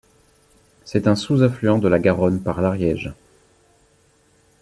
C'est un sous-affluent de la Garonne par l'Ariège.